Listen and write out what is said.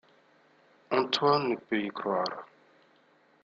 Antoine ne peut y croire...